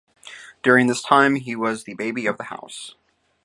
During this time, he was the Baby of the House.